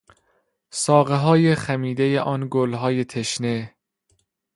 ساقههای خمیدهی آن گلهای تشنه